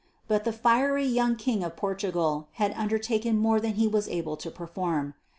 But the fiery young King of Portugal had undertaken more than he was able to perform.